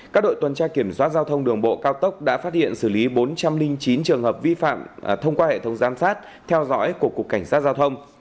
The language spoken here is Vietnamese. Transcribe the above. các đội tuần tra kiểm soát giao thông đường bộ cao tốc đã phát hiện xử lý bốn trăm linh chín trường hợp vi phạm thông qua hệ thống giám sát theo dõi của cục cảnh sát giao thông